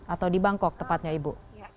atau di bangkok tepatnya ibu